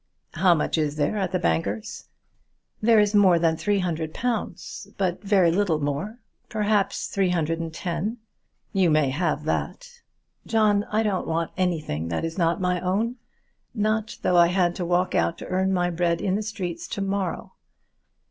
"How much is there at the bankers?" "There is more than three hundred pounds; but very little more; perhaps three hundred and ten." "You may have that." "John, I don't want anything that is not my own; not though I had to walk out to earn my bread in the streets to morrow."